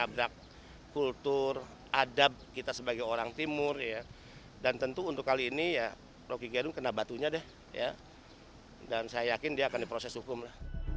bapak kasat intelkam pores metro bekasi